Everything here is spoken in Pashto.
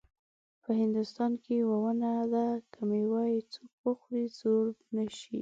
په هندوستان کې یوه ونه ده که میوه یې څوک وخوري زوړ نه شي.